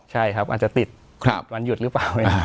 ใช่ครับอาจจะติดวันหยุดหรือเปล่า